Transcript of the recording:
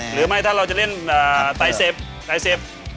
หรือไม่ถ้าเราจะเล่นใบเซ็ปใบเซ็ป